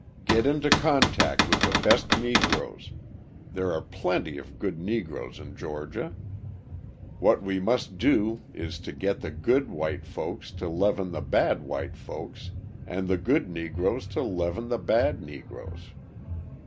"Get into contact with the best Negroes; there are plenty of good Negroes in Georgia. What we must do is to get the good white folks to leaven the bad white folks and the good Negroes to leaven the bad Negroes."